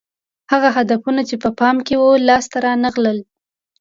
هغه هدفونه چې په پام کې وو لاس ته رانه غلل